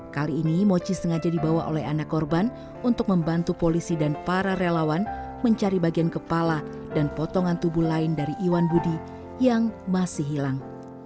kali ini moci sengaja dibawa oleh anak korban untuk membantu polisi dan para relawan mencari bagian kepala dan potongan tubuh lain dari iwan budi yang masih hilang